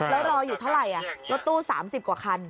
แล้วรออยู่เท่าไหร่รถตู้๓๐กว่าคัน